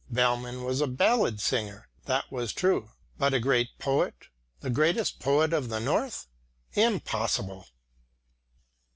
Bellmann was a ballad singer, that was true, but a great poet, the greatest poet of the North? impossible!